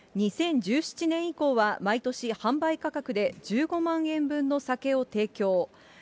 ２０１７年以降は、毎年販売価格で１５万円分の酒を提供。